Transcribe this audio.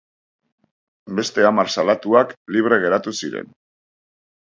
Beste hamar salatuak libre geratu ziren.